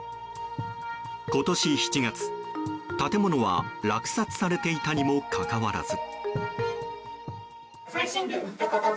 今年７月、建物は落札されていたにもかかわらず。